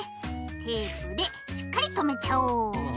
テープでしっかりとめちゃおう。